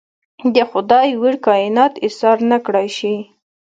د خدای ویړ کاینات ایسار نکړای شي.